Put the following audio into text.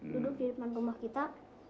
duduk di rumah kita